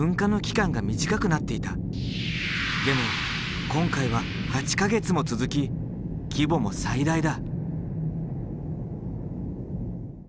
でも今回は８か月も続き規模も最大だ。